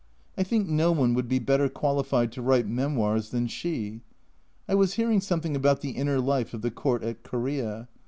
I think no one would be better qualified to write memoirs than she. I was hearing something about the inner life of the Court at Korea.